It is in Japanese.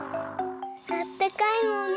あったかいもんね。